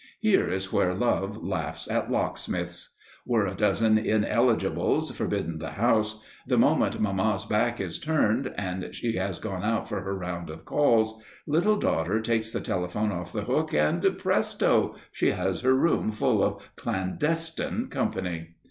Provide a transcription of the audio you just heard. Here is where love laughs at locksmiths. Were a dozen ineligibles forbidden the house, the moment mamma's back is turned and she has gone out for her round of calls, little daughter takes the telephone off the hook and, presto! she has her room full of clandestine company!